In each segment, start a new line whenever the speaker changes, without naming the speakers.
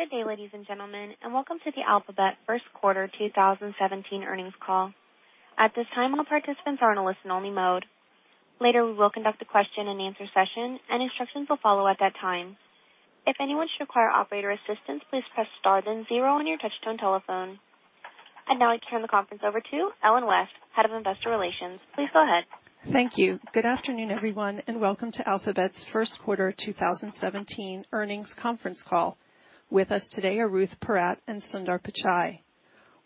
Good day, ladies and gentlemen, and welcome to the Alphabet First Quarter 2017 earnings call. At this time, all participants are in a listen-only mode. Later, we will conduct a question-and-answer session, and instructions will follow at that time. If anyone should require operator assistance, please press star then zero on your touch-tone telephone. And now I turn the conference over to Ellen West, Head of Investor Relations. Please go ahead.
Thank you. Good afternoon, everyone, and welcome to Alphabet's First Quarter 2017 earnings conference call. With us today are Ruth Porat and Sundar Pichai.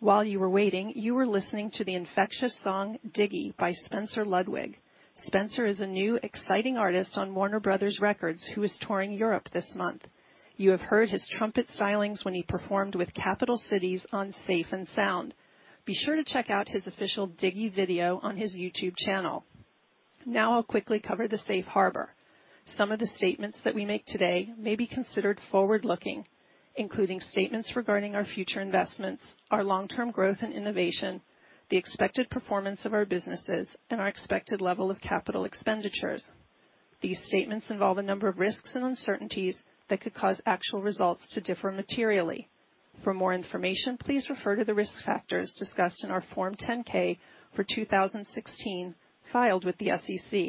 While you were waiting, you were listening to the infectious song "Diggy" by Spencer Ludwig. Spencer is a new, exciting artist on Warner Bros. Records who is touring Europe this month. You have heard his trumpet stylings when he performed with Capital Cities on Safe and Sound. Be sure to check out his official "Diggy" video on his YouTube channel. Now I'll quickly cover the safe harbor. Some of the statements that we make today may be considered forward-looking, including statements regarding our future investments, our long-term growth and innovation, the expected performance of our businesses, and our expected level of capital expenditures. These statements involve a number of risks and uncertainties that could cause actual results to differ materially. For more information, please refer to the risk factors discussed in our Form 10-K for 2016 filed with the SEC.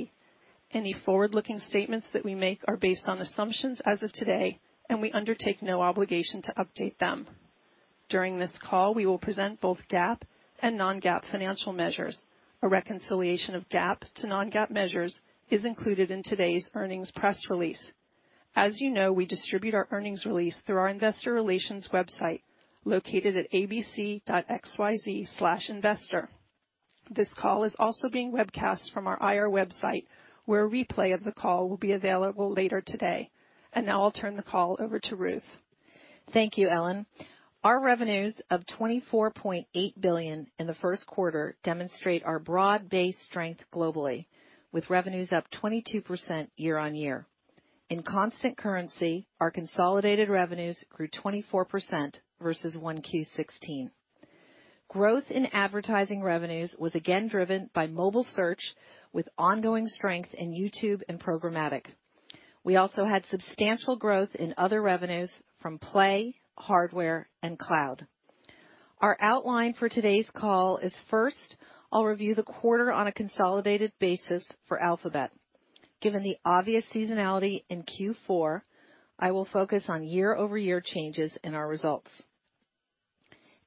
Any forward-looking statements that we make are based on assumptions as of today, and we undertake no obligation to update them. During this call, we will present both GAAP and non-GAAP financial measures. A reconciliation of GAAP to non-GAAP measures is included in today's earnings press release. As you know, we distribute our earnings release through our Investor Relations website located at abc.xyz/investor. This call is also being webcast from our IR website, where a replay of the call will be available later today, and now I'll turn the call over to Ruth.
Thank you, Ellen. Our revenues of $24.8 billion in the first quarter demonstrate our broad-based strength globally, with revenues up 22% year-on-year. In constant currency, our consolidated revenues grew 24% versus 1Q 2016. Growth in advertising revenues was again driven by mobile search, with ongoing strength in YouTube and programmatic. We also had substantial growth in other revenues from Play, hardware, and cloud. Our outline for today's call is, first, I'll review the quarter on a consolidated basis for Alphabet. Given the obvious seasonality in Q4, I will focus on year-over-year changes in our results.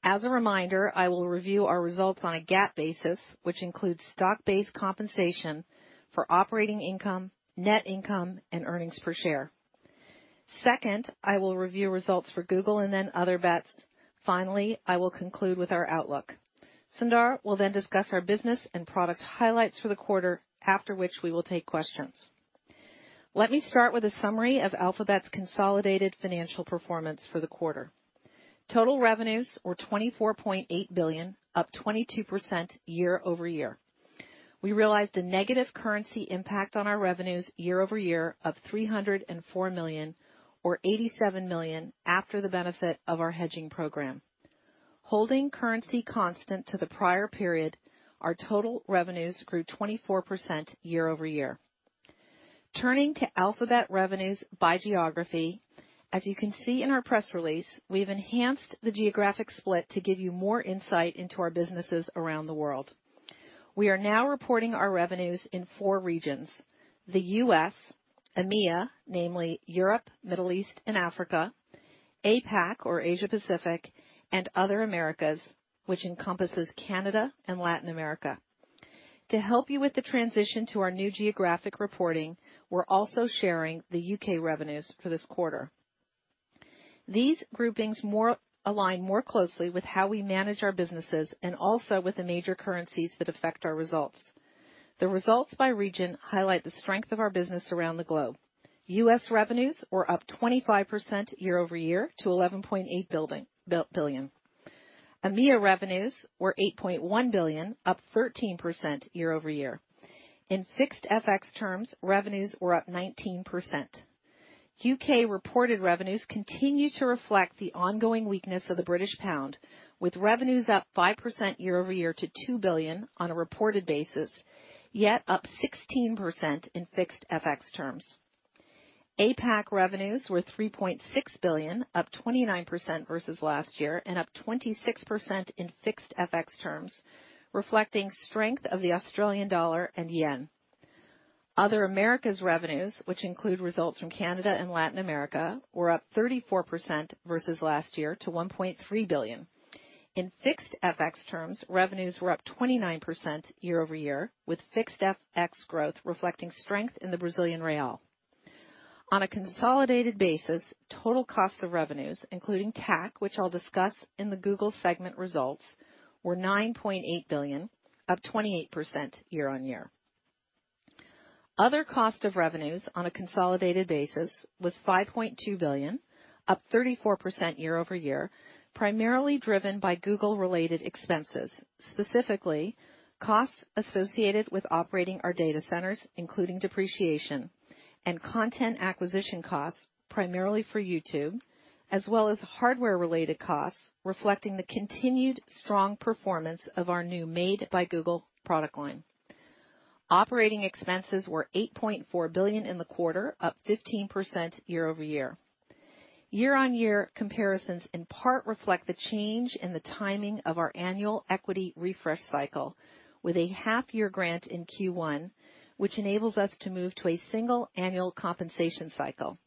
As a reminder, I will review our results on a GAAP basis, which includes stock-based compensation for operating income, net income, and earnings per share. Second, I will review results for Google and then Other Bets. Finally, I will conclude with our outlook. Sundar will then discuss our business and product highlights for the quarter, after which we will take questions. Let me start with a summary of Alphabet's consolidated financial performance for the quarter. Total revenues were $24.8 billion, up 22% year-over-year. We realized a negative currency impact on our revenues year-over-year of $304 million, or $87 million, after the benefit of our hedging program. Holding currency constant to the prior period, our total revenues grew 24% year-over-year. Turning to Alphabet revenues by geography, as you can see in our press release, we've enhanced the geographic split to give you more insight into our businesses around the world. We are now reporting our revenues in four regions: the U.S., EMEA, namely Europe, Middle East, and Africa, APAC, or Asia-Pacific, and other Americas, which encompasses Canada and Latin America. To help you with the transition to our new geographic reporting, we're also sharing the U.K. revenues for this quarter. These groupings align more closely with how we manage our businesses and also with the major currencies that affect our results. The results by region highlight the strength of our business around the globe. U.S. revenues were up 25% year-over-year to $11.8 billion. EMEA revenues were $8.1 billion, up 13% year-over-year. In fixed FX terms, revenues were up 19%. U.K. reported revenues continue to reflect the ongoing weakness of the British pound, with revenues up 5% year-over-year to $2 billion on a reported basis, yet up 16% in fixed FX terms. APAC revenues were $3.6 billion, up 29% versus last year, and up 26% in fixed FX terms, reflecting strength of the Australian dollar and yen. Other Americas revenues, which include results from Canada and Latin America, were up 34% versus last year to $1.3 billion. In fixed FX terms, revenues were up 29% year-over-year, with fixed FX growth reflecting strength in the Brazilian real. On a consolidated basis, total costs of revenues, including TAC, which I'll discuss in the Google segment results, were $9.8 billion, up 28% year-on-year. Other cost of revenues on a consolidated basis was $5.2 billion, up 34% year-over-year, primarily driven by Google-related expenses, specifically costs associated with operating our data centers, including depreciation, and content acquisition costs, primarily for YouTube, as well as hardware-related costs reflecting the continued strong performance of our new Made by Google product line. Operating expenses were $8.4 billion in the quarter, up 15% year-over-year. Year-on-year comparisons in part reflect the change in the timing of our annual equity refresh cycle, with a half-year grant in Q1, which enables us to move to a single annual compensation cycle.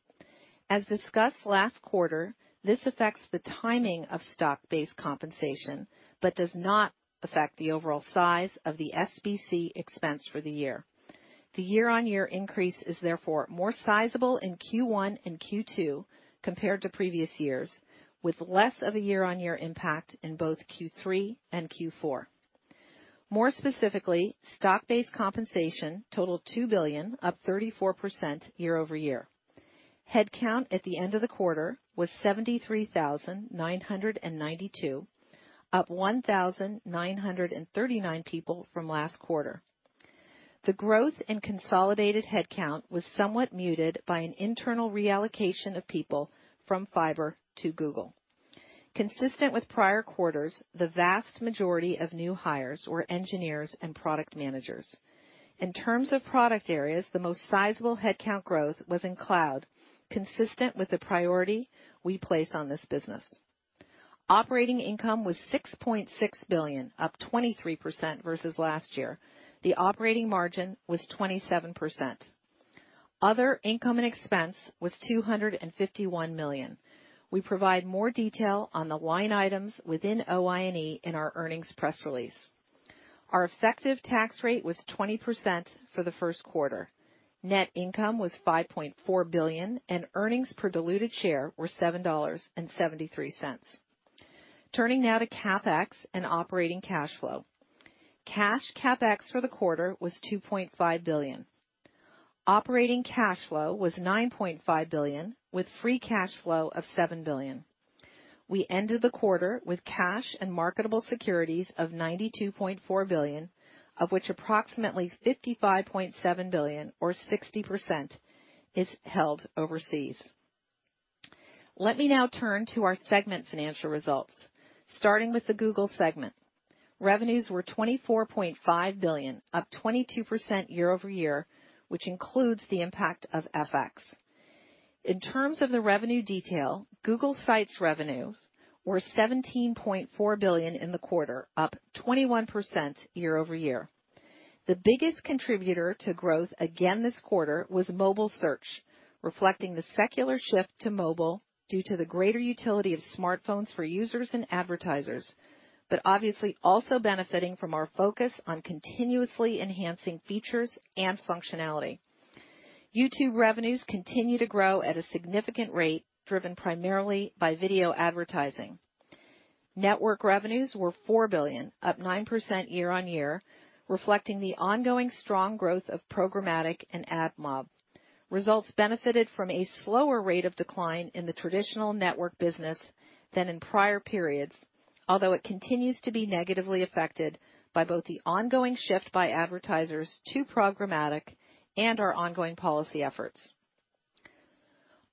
As discussed last quarter, this affects the timing of stock-based compensation but does not affect the overall size of the SBC expense for the year. The year-on-year increase is therefore more sizable in Q1 and Q2 compared to previous years, with less of a year-on-year impact in both Q3 and Q4. More specifically, stock-based compensation totaled $2 billion, up 34% year-over-year. Headcount at the end of the quarter was 73,992, up 1,939 people from last quarter. The growth in consolidated headcount was somewhat muted by an internal reallocation of people from Fiber to Google. Consistent with prior quarters, the vast majority of new hires were engineers and product managers. In terms of product areas, the most sizable headcount growth was in cloud, consistent with the priority we placed on this business. Operating income was $6.6 billion, up 23% versus last year. The operating margin was 27%. Other income and expense was $251 million. We provide more detail on the line items within OI&E in our earnings press release. Our effective tax rate was 20% for the first quarter. Net income was $5.4 billion, and earnings per diluted share were $7.73. Turning now to CapEx and operating cash flow. Cash CapEx for the quarter was $2.5 billion. Operating cash flow was $9.5 billion, with free cash flow of $7 billion. We ended the quarter with cash and marketable securities of $92.4 billion, of which approximately $55.7 billion, or 60%, is held overseas. Let me now turn to our segment financial results, starting with the Google segment. Revenues were $24.5 billion, up 22% year-over-year, which includes the impact of FX. In terms of the revenue detail, Google Sites revenues were $17.4 billion in the quarter, up 21% year-over-year. The biggest contributor to growth again this quarter was mobile search, reflecting the secular shift to mobile due to the greater utility of smartphones for users and advertisers, but obviously also benefiting from our focus on continuously enhancing features and functionality. YouTube revenues continue to grow at a significant rate, driven primarily by video advertising. Network revenues were $4 billion, up 9% year-over-year, reflecting the ongoing strong growth of programmatic and AdMob. Results benefited from a slower rate of decline in the traditional network business than in prior periods, although it continues to be negatively affected by both the ongoing shift by advertisers to programmatic and our ongoing policy efforts.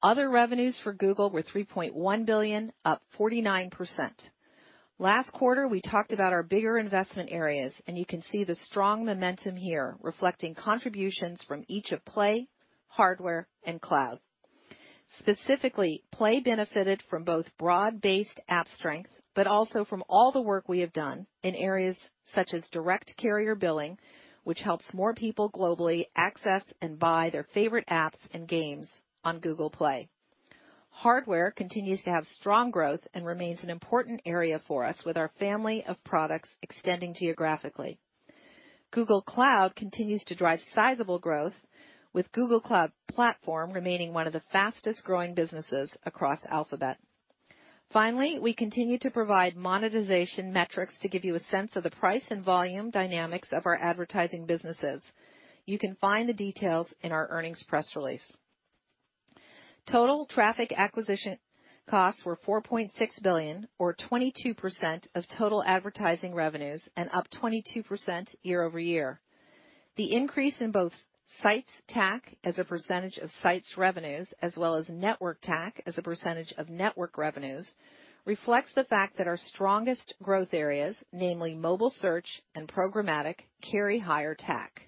Other revenues for Google were $3.1 billion, up 49%. Last quarter, we talked about our bigger investment areas, and you can see the strong momentum here, reflecting contributions from each of Play, hardware, and cloud. Specifically, Play benefited from both broad-based app strength but also from all the work we have done in areas such as direct carrier billing, which helps more people globally access and buy their favorite apps and games on Google Play. Hardware continues to have strong growth and remains an important area for us, with our family of products extending geographically. Google Cloud continues to drive sizable growth, with Google Cloud Platform remaining one of the fastest-growing businesses across Alphabet. Finally, we continue to provide monetization metrics to give you a sense of the price and volume dynamics of our advertising businesses. You can find the details in our earnings press release. Total traffic acquisition costs were $4.6 billion, or 22% of total advertising revenues and up 22% year-over-year. The increase in both Sites TAC as a percentage of Sites revenues, as well as Network TAC as a percentage of network revenues, reflects the fact that our strongest growth areas, namely mobile search and programmatic, carry higher TAC.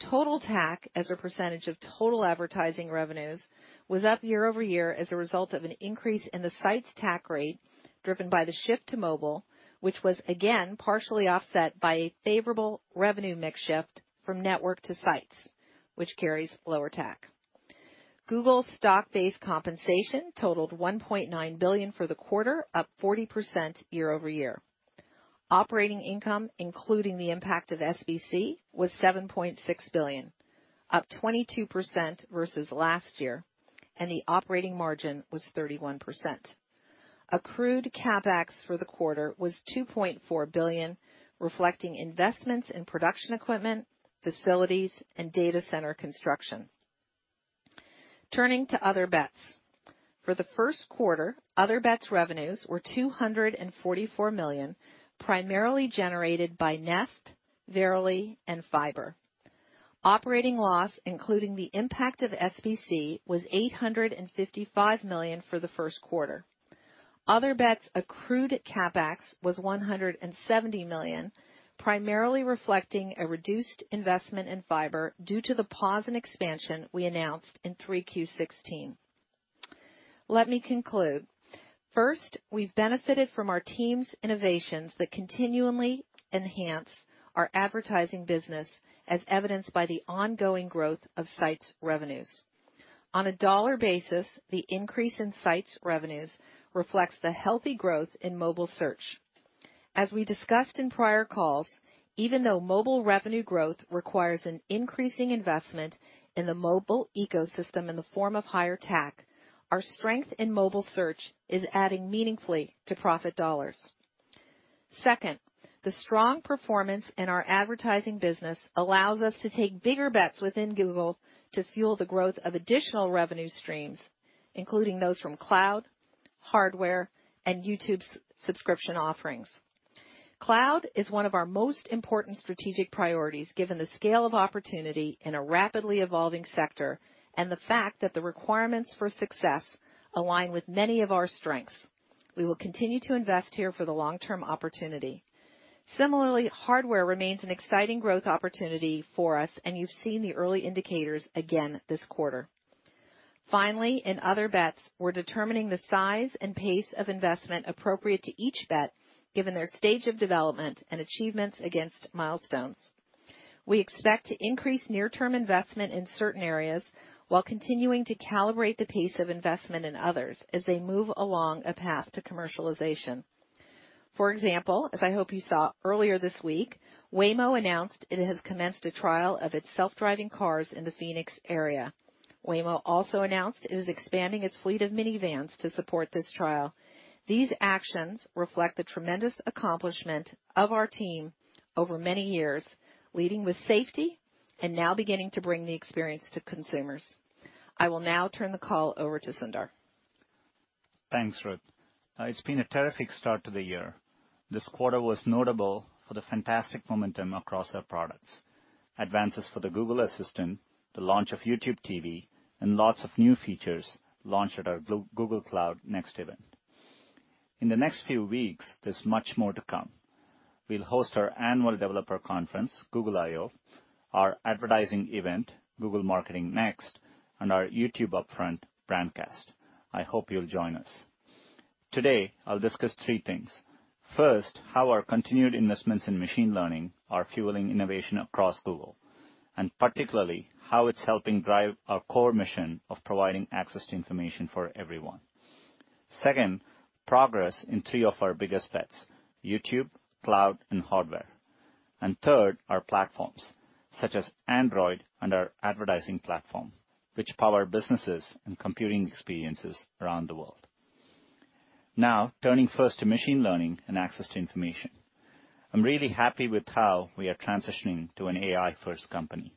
Total TAC as a percentage of total advertising revenues was up year-over-year as a result of an increase in the Sites TAC rate driven by the shift to mobile, which was again partially offset by a favorable revenue mix shift from network to Sites, which carries lower TAC. Google's stock-based compensation totaled $1.9 billion for the quarter, up 40% year-over-year. Operating income, including the impact of SBC, was $7.6 billion, up 22% versus last year, and the operating margin was 31%. Accrued CapEx for the quarter was $2.4 billion, reflecting investments in production equipment, facilities, and data center construction. Turning to Other Bets. For the first quarter, Other Bets revenues were $244 million, primarily generated by Nest, Verily, and Google Fiber. Operating loss, including the impact of SBC, was $855 million for the first quarter. Other Bets accrued CapEx was $170 million, primarily reflecting a reduced investment in Google Fiber due to the pause in expansion we announced in 3Q 2016. Let me conclude. First, we've benefited from our team's innovations that continually enhance our advertising business, as evidenced by the ongoing growth of Sites revenues. On a dollar basis, the increase in Sites revenues reflects the healthy growth in mobile search. As we discussed in prior calls, even though mobile revenue growth requires an increasing investment in the mobile ecosystem in the form of higher TAC, our strength in mobile search is adding meaningfully to profit dollars. Second, the strong performance in our advertising business allows us to take bigger bets within Google to fuel the growth of additional revenue streams, including those from cloud, hardware, and YouTube subscription offerings. Cloud is one of our most important strategic priorities, given the scale of opportunity in a rapidly evolving sector and the fact that the requirements for success align with many of our strengths. We will continue to invest here for the long-term opportunity. Similarly, hardware remains an exciting growth opportunity for us, and you've seen the early indicators again this quarter. Finally, in Other Bets, we're determining the size and pace of investment appropriate to each bet, given their stage of development and achievements against milestones. We expect to increase near-term investment in certain areas while continuing to calibrate the pace of investment in others as they move along a path to commercialization. For example, as I hope you saw earlier this week, Waymo announced it has commenced a trial of its self-driving cars in the Phoenix area. Waymo also announced it is expanding its fleet of minivans to support this trial. These actions reflect the tremendous accomplishment of our team over many years, leading with safety and now beginning to bring the experience to consumers. I will now turn the call over to Sundar.
Thanks, Ruth. It's been a terrific start to the year. This quarter was notable for the fantastic momentum across our products: advances for the Google Assistant, the launch of YouTube TV, and lots of new features launched at our Google Cloud Next event. In the next few weeks, there's much more to come. We'll host our annual developer conference, Google I/O, our advertising event, Google Marketing Next, and our YouTube Upfront Brandcast. I hope you'll join us. Today, I'll discuss three things. First, how our continued investments in machine learning are fueling innovation across Google, and particularly how it's helping drive our core mission of providing access to information for everyone. Second, progress in three of our biggest bets: YouTube, cloud, and hardware. And third, our platforms, such as Android and our advertising platform, which power businesses and computing experiences around the world. Now, turning first to machine learning and access to information. I'm really happy with how we are transitioning to an AI-first company.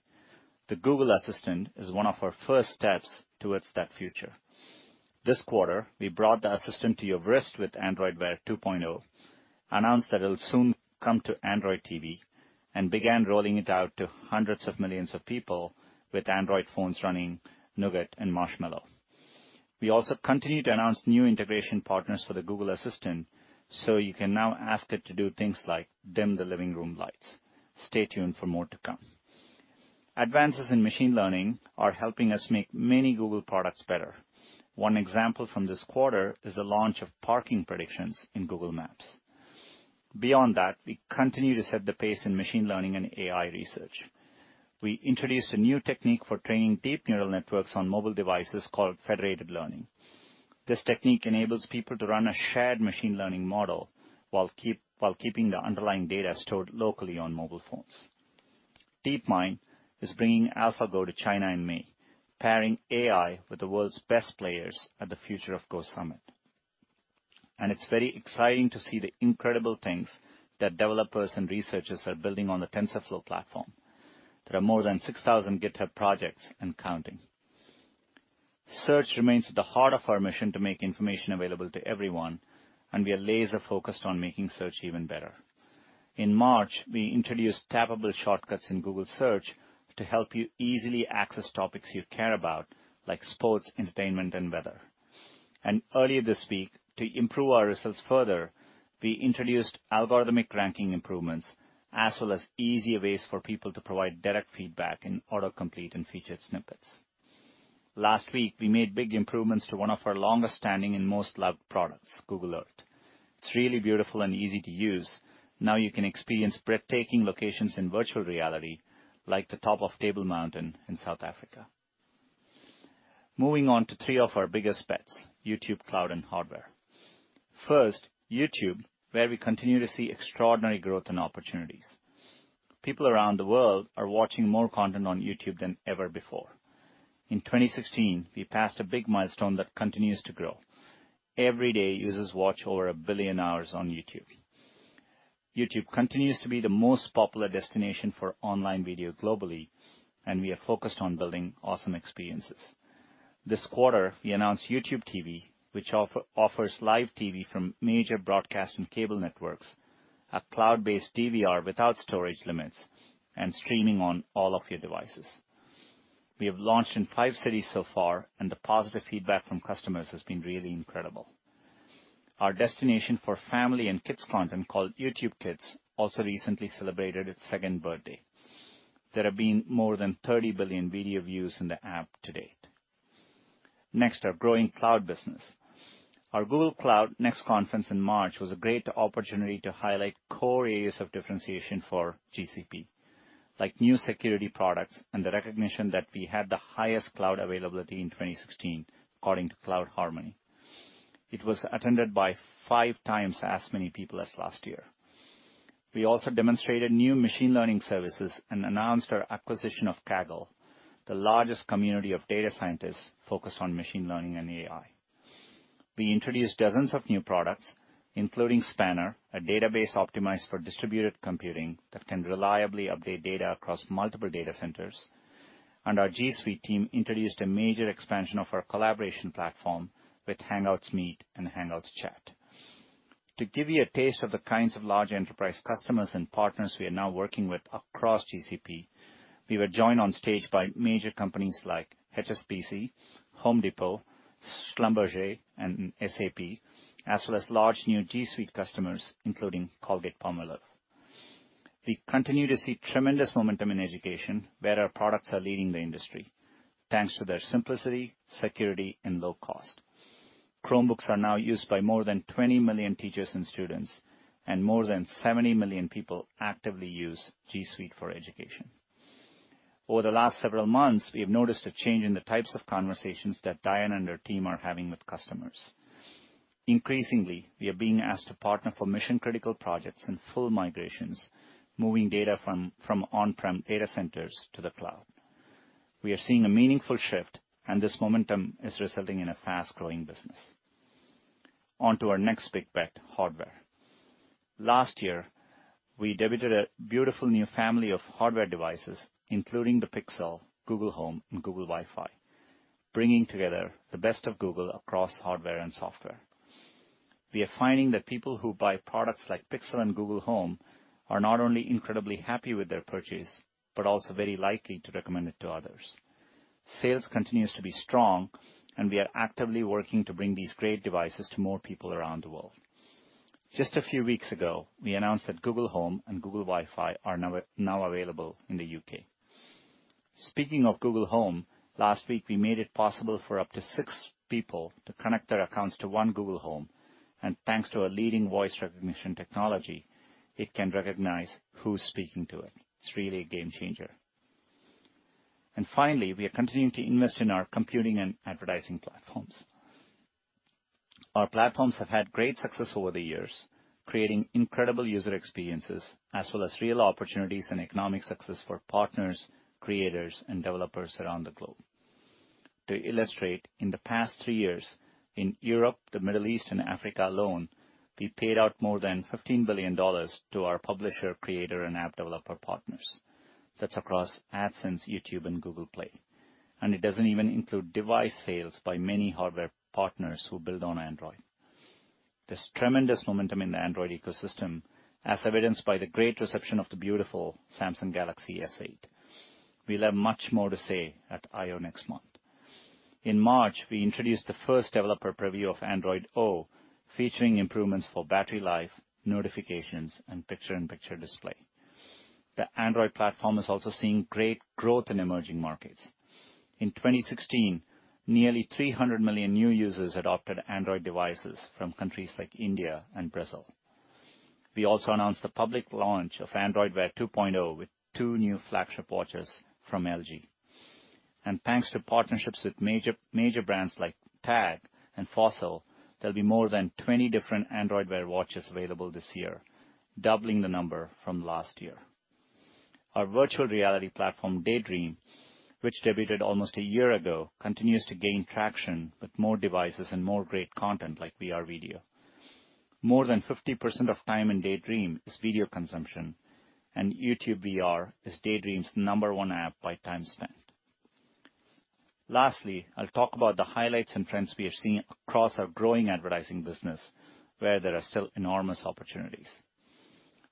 The Google Assistant is one of our first steps towards that future. This quarter, we brought the Assistant to your wrist with Android Wear 2.0, announced that it'll soon come to Android TV, and began rolling it out to hundreds of millions of people with Android phones running Nougat and Marshmallow. We also continue to announce new integration partners for the Google Assistant, so you can now ask it to do things like dim the living room lights. Stay tuned for more to come. Advances in machine learning are helping us make many Google products better. One example from this quarter is the launch of parking predictions in Google Maps. Beyond that, we continue to set the pace in machine learning and AI research. We introduced a new technique for training deep neural networks on mobile devices called federated learning. This technique enables people to run a shared machine learning model while keeping the underlying data stored locally on mobile phones. DeepMind is bringing AlphaGo to China in May, pairing AI with the world's best players at the Future of Go Summit, and it's very exciting to see the incredible things that developers and researchers are building on the TensorFlow platform. There are more than 6,000 GitHub projects and counting. Search remains at the heart of our mission to make information available to everyone, and we are laser-focused on making search even better. In March, we introduced tappable shortcuts in Google Search to help you easily access topics you care about, like sports, entertainment, and weather. Earlier this week, to improve our results further, we introduced algorithmic ranking improvements, as well as easier ways for people to provide direct feedback in autocomplete and featured snippets. Last week, we made big improvements to one of our longest-standing and most-loved products, Google Earth. It's really beautiful and easy to use. Now you can experience breathtaking locations in virtual reality, like the top of Table Mountain in South Africa. Moving on to three of our biggest bets: YouTube, cloud, and hardware. First, YouTube, where we continue to see extraordinary growth and opportunities. People around the world are watching more content on YouTube than ever before. In 2016, we passed a big milestone that continues to grow. Every day, users watch over a billion hours on YouTube. YouTube continues to be the most popular destination for online video globally, and we are focused on building awesome experiences. This quarter, we announced YouTube TV, which offers live TV from major broadcast and cable networks, a cloud-based DVR without storage limits, and streaming on all of your devices. We have launched in five cities so far, and the positive feedback from customers has been really incredible. Our destination for family and kids content called YouTube Kids also recently celebrated its second birthday. There have been more than 30 billion video views in the app to date. Next, our growing cloud business. Our Google Cloud Next conference in March was a great opportunity to highlight core areas of differentiation for GCP, like new security products and the recognition that we had the highest cloud availability in 2016, according to CloudHarmony. It was attended by five times as many people as last year. We also demonstrated new machine learning services and announced our acquisition of Kaggle, the largest community of data scientists focused on machine learning and AI. We introduced dozens of new products, including Spanner, a database optimized for distributed computing that can reliably update data across multiple data centers. And our G Suite team introduced a major expansion of our collaboration platform with Hangouts Meet and Hangouts Chat. To give you a taste of the kinds of large enterprise customers and partners we are now working with across GCP, we were joined on stage by major companies like HSBC, Home Depot, Schlumberger, and SAP, as well as large new G Suite customers, including Colgate-Palmolive. We continue to see tremendous momentum in education, where our products are leading the industry, thanks to their simplicity, security, and low cost. Chromebooks are now used by more than 20 million teachers and students, and more than 70 million people actively use G Suite for Education. Over the last several months, we have noticed a change in the types of conversations that Diane and her team are having with customers. Increasingly, we are being asked to partner for mission-critical projects and full migrations, moving data from on-prem data centers to the cloud. We are seeing a meaningful shift, and this momentum is resulting in a fast-growing business. Onto our next big bet, hardware. Last year, we debuted a beautiful new family of hardware devices, including the Pixel, Google Home, and Google Wifi, bringing together the best of Google across hardware and software. We are finding that people who buy products like Pixel and Google Home are not only incredibly happy with their purchase, but also very likely to recommend it to others. Sales continues to be strong, and we are actively working to bring these great devices to more people around the world. Just a few weeks ago, we announced that Google Home and Google wifi are now available in the U.K. Speaking of Google Home, last week, we made it possible for up to six people to connect their accounts to one Google Home, and thanks to our leading voice recognition technology, it can recognize who's speaking to it. It's really a game changer. And finally, we are continuing to invest in our computing and advertising platforms. Our platforms have had great success over the years, creating incredible user experiences, as well as real opportunities and economic success for partners, creators, and developers around the globe. To illustrate, in the past three years, in Europe, the Middle East, and Africa alone, we paid out more than $15 billion to our publisher, creator, and app developer partners. That's across AdSense, YouTube, and Google Play. And it doesn't even include device sales by many hardware partners who build on Android. There's tremendous momentum in the Android ecosystem, as evidenced by the great reception of the beautiful Samsung Galaxy S8. We'll have much more to say at I/O next month. In March, we introduced the first developer preview of Android O, featuring improvements for battery life, notifications, and picture-in-picture display. The Android platform is also seeing great growth in emerging markets. In 2016, nearly 300 million new users adopted Android devices from countries like India and Brazil. We also announced the public launch of Android Wear 2.0 with two new flagship watches from LG.
And thanks to partnerships with major brands like TAG and Fossil, there'll be more than 20 different Android Wear watches available this year, doubling the number from last year. Our virtual reality platform, Daydream, which debuted almost a year ago, continues to gain traction with more devices and more great content like VR video. More than 50% of time in Daydream is video consumption, and YouTube VR is Daydream's number one app by time spent. Lastly, I'll talk about the highlights and trends we are seeing across our growing advertising business, where there are still enormous opportunities.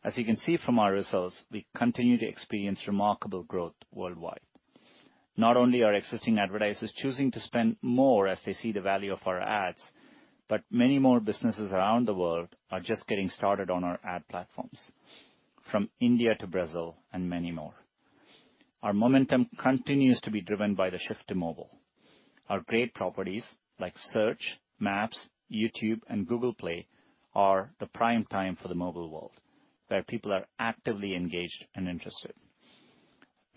As you can see from our results, we continue to experience remarkable growth worldwide. Not only are existing advertisers choosing to spend more as they see the value of our ads, but many more businesses around the world are just getting started on our ad platforms, from India to Brazil and many more. Our momentum continues to be driven by the shift to mobile. Our great properties, like Search, Maps, YouTube, and Google Play, are the prime time for the mobile world, where people are actively engaged and interested.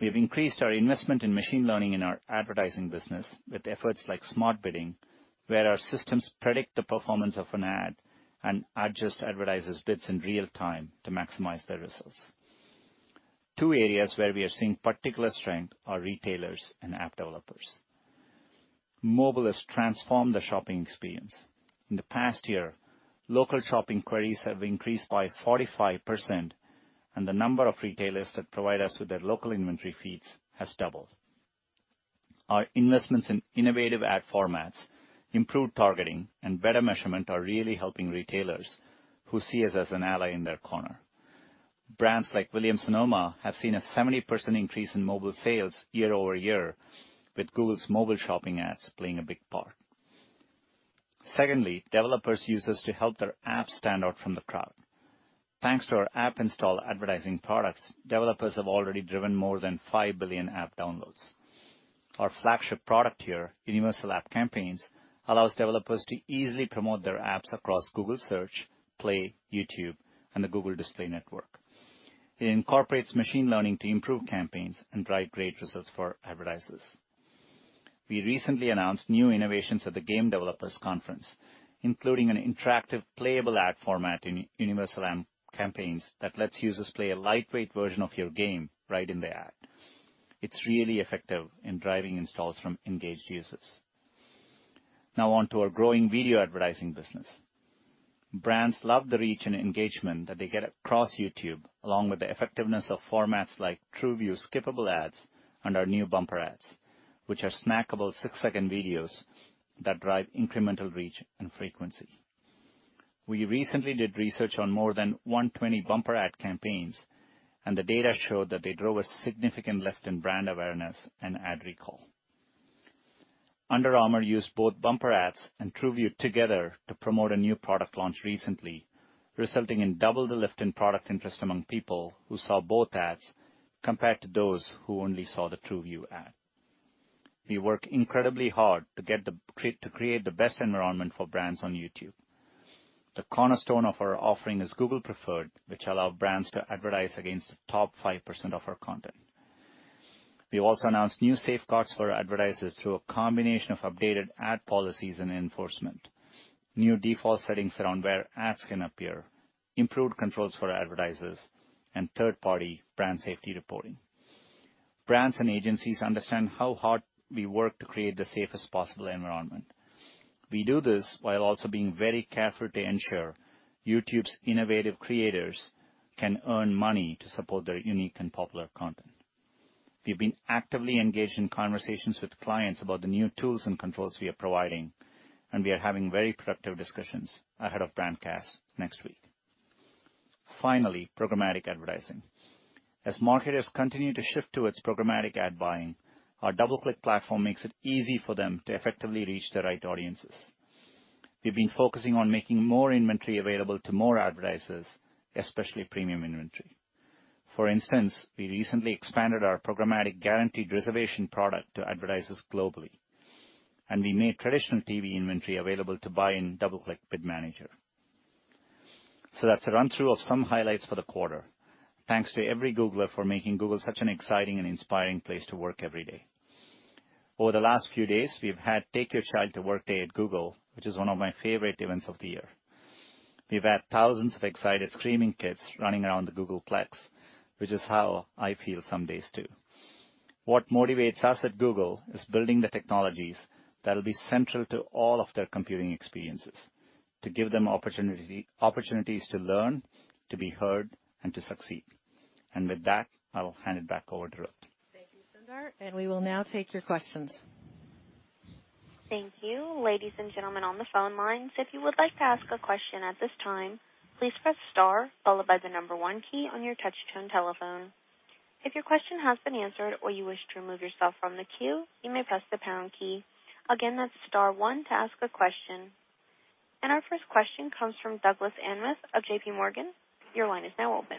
We have increased our investment in machine learning in our advertising business with efforts like Smart Bidding, where our systems predict the performance of an ad and adjust advertisers' bids in real time to maximize their results. Two areas where we are seeing particular strength are retailers and app developers. Mobile has transformed the shopping experience. In the past year, local shopping queries have increased by 45%, and the number of retailers that provide us with their local inventory feeds has doubled. Our investments in innovative ad formats, improved targeting, and better measurement are really helping retailers who see us as an ally in their corner. Brands like Williams-Sonoma have seen a 70% increase in mobile sales year over year, with Google's mobile shopping ads playing a big part. Secondly, developers use us to help their apps stand out from the crowd. Thanks to our app install advertising products, developers have already driven more than 5 billion app downloads. Our flagship product here, Universal App Campaigns, allows developers to easily promote their apps across Google Search, Play, YouTube, and the Google Display Network. It incorporates machine learning to improve campaigns and drive great results for advertisers. We recently announced new innovations at the Game Developers Conference, including an interactive playable ad format in Universal App Campaigns that lets users play a lightweight version of your game right in the ad. It's really effective in driving installs from engaged users. Now, on to our growing video advertising business. Brands love the reach and engagement that they get across YouTube, along with the effectiveness of formats like TrueView's skippable ads and our new Bumper Ads, which are snackable six-second videos that drive incremental reach and frequency. We recently did research on more than 120 Bumper Ad campaigns, and the data showed that they drove a significant lift in brand awareness and ad recall. Under Armour used both Bumper Ads and TrueView together to promote a new product launch recently, resulting in double the lift in product interest among people who saw both ads compared to those who only saw the TrueView ad. We work incredibly hard to create the best environment for brands on YouTube. The cornerstone of our offering is Google Preferred, which allows brands to advertise against the top 5% of our content. We also announced new safeguards for advertisers through a combination of updated ad policies and enforcement, new default settings around where ads can appear, improved controls for advertisers, and third-party brand safety reporting. Brands and agencies understand how hard we work to create the safest possible environment. We do this while also being very careful to ensure YouTube's innovative creators can earn money to support their unique and popular content. We've been actively engaged in conversations with clients about the new tools and controls we are providing, and we are having very productive discussions ahead of Brandcast next week. Finally, programmatic advertising. As marketers continue to shift towards programmatic ad buying, our DoubleClick platform makes it easy for them to effectively reach the right audiences. We've been focusing on making more inventory available to more advertisers, especially premium inventory. For instance, we recently expanded our Programmatic Guaranteed reservation product to advertisers globally, and we made traditional TV inventory available to buy in DoubleClick Bid Manager. So that's a run-through of some highlights for the quarter. Thanks to every Googler for making Google such an exciting and inspiring place to work every day. Over the last few days, we've had Take Your Child to Work Day at Google, which is one of my favorite events of the year. We've had thousands of excited screaming kids running around the Googleplex, which is how I feel some days too. What motivates us at Google is building the technologies that will be central to all of their computing experiences to give them opportunities to learn, to be heard, and to succeed. And with that, I'll hand it back over to Ruth.
Thank you, Sundar, and we will now take your questions.
Thank you. Ladies and gentlemen on the phone lines, if you would like to ask a question at this time, please press star followed by the number one key on your touch-tone telephone. If your question has been answered or you wish to remove yourself from the queue, you may press the pound key. Again, that's star one to ask a question. And our first question comes from Douglas Anmuth of J.P. Morgan. Your line is now open.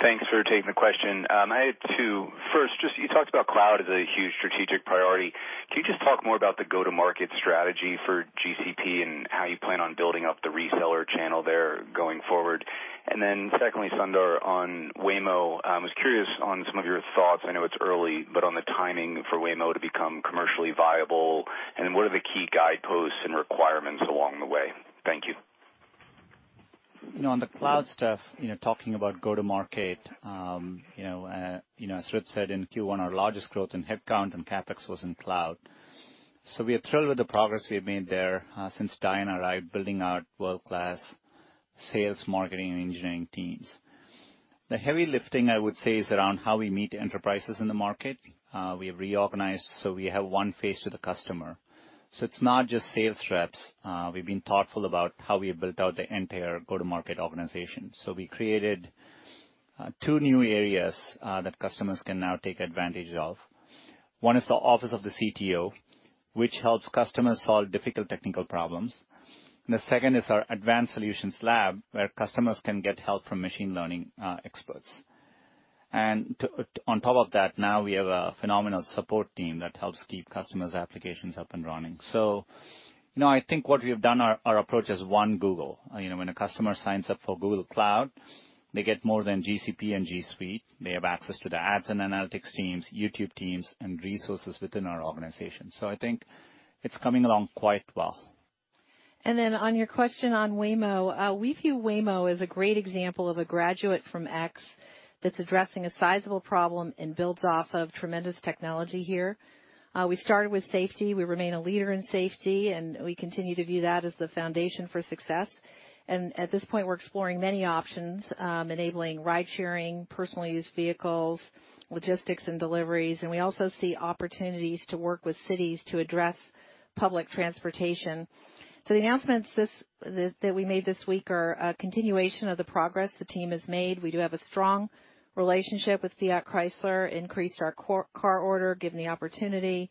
Thanks for taking the question. I had two. First, you talked about cloud as a huge strategic priority. Can you just talk more about the go-to-market strategy for GCP and how you plan on building up the reseller channel there going forward? And then secondly, Sundar, on Waymo, I was curious on some of your thoughts.
I know it's early, but on the timing for Waymo to become commercially viable, and what are the key guideposts and requirements along the way? Thank you.
On the cloud stuff, talking about go-to-market, as Ruth said in Q1, our largest growth in headcount and CapEx was in cloud. So we are thrilled with the progress we have made there since Diane arrived, building our world-class sales, marketing, and engineering teams. The heavy lifting, I would say, is around how we meet enterprises in the market. We have reorganized so we have one face to the customer. So it's not just sales reps. We've been thoughtful about how we have built out the entire go-to-market organization. So we created two new areas that customers can now take advantage of. One is the office of the CTO, which helps customers solve difficult technical problems. The second is our Advanced Solutions Lab, where customers can get help from machine learning experts. And on top of that, now we have a phenomenal support team that helps keep customers' applications up and running. So I think what we have done is our approach is One Google. When a customer signs up for Google Cloud, they get more than GCP and G Suite. They have access to the ads and analytics teams, YouTube teams, and resources within our organization. So I think it's coming along quite well.
And then on your question on Waymo, we view Waymo as a great example of a graduate from X that's addressing a sizable problem and builds off of tremendous technology here. We started with safety. We remain a leader in safety, and we continue to view that as the foundation for success. And at this point, we're exploring many options, enabling ride-sharing, personal-use vehicles, logistics, and deliveries. And we also see opportunities to work with cities to address public transportation. So the announcements that we made this week are a continuation of the progress the team has made. We do have a strong relationship with Fiat Chrysler, increased our car order, given the opportunity.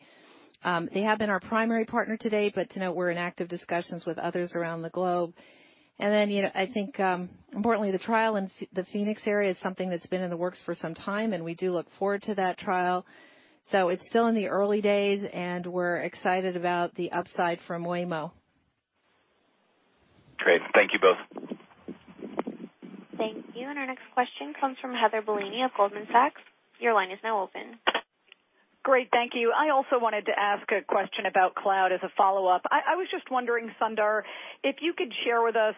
They have been our primary partner today, but to note, we're in active discussions with others around the globe. And then I think, importantly, the trial in the Phoenix area is something that's been in the works for some time, and we do look forward to that trial. So it's still in the early days, and we're excited about the upside from Waymo.
Great. Thank you both.
Thank you. And our next question comes from Heather Bellini of Goldman Sachs. Your line is now open.
Great. Thank you. I also wanted to ask a question about cloud as a follow-up. I was just wondering, Sundar, if you could share with us,